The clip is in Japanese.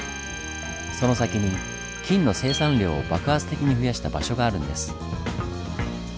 その先に金の生産量を爆発的に増やした場所があるんです。